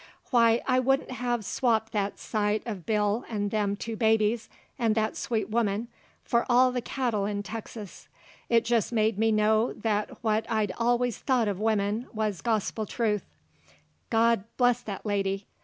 Why, I wouldn't hev swapped that sight uv Bill an' them two babies 'nd that sweet woman for all the cattle in Texas! It jest made me know that what I'd allus thought uv wimmin was gospel truth. God bless that lady!